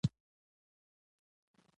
کروندګر باید د کرنې نوي روشونه زده کړي.